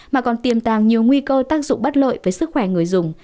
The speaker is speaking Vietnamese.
mà còn tiềm tàng nhiều nguy cơ tác dụng bất lợi với sức khỏe người dùng